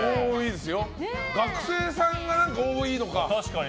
学生さんが多いのか。